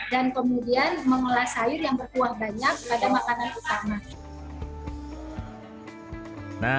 kemudian mengolah sayur yang berkuah banyak pada makanan utama